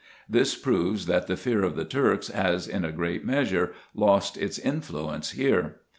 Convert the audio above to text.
This proves, that the fear of the Turks has in a great measure lost its in fluence here.